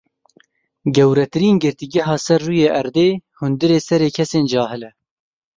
Gewretirîn girtîgeha ser rûyê erdê, hundirê serê kesên cahil e.